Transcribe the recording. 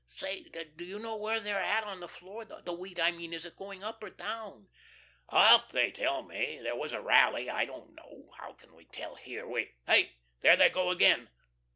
Say, do you know where they're at on the floor? The wheat, I mean, is it going up or down?" "Up, they tell me. There was a rally; I don't know. How can we tell here? We Hi! there they go again.